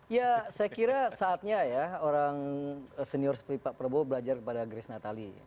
ya saya kira saatnya ya orang senior seperti pak prabowo belajar kepada grace natali